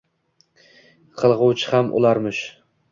Qilg’uvchi ham ularmish.